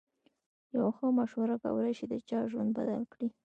یوه ښه مشوره کولای شي د چا ژوند بدل کړي.